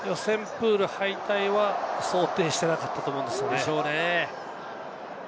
プール敗退は想定していなかったと思うんですよね。